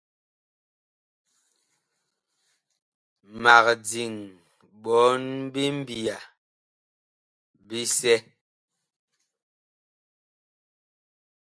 Mag diŋ ɓɔɔn bi mbiya bisɛ.